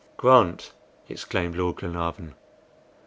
'" "Grant!" exclaimed Lord Glenarvan.